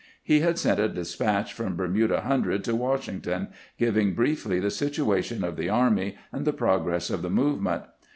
He had sent a despatch from Bermuda Hun dred to "Washington, giving briefly the situation of the army and the progress of the movement.